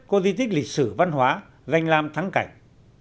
có di tích lịch sử văn hóa danh lam thắng cảnh